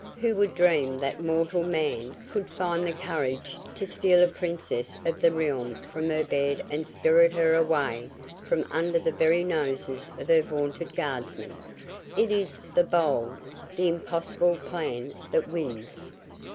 Who would dream that mortal man could find the courage to steal a princess of the realm from her bed and spirit her away from under the very noses of her vaunted guardsmen? It is the bold, the impossible plan that wins."